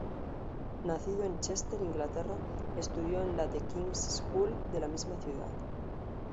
Nacido en Chester, Inglaterra, estudió en la The King's School de la misma ciudad.